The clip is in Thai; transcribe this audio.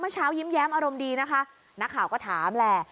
เช้ายิ้มแย้มอารมณ์ดีนะคะนักข่าวก็ถามแหละ